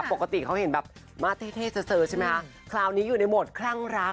ปกติเขาเห็นแบบมาเท่เซอร์ใช่ไหมคะคราวนี้อยู่ในโหมดคลั่งรัก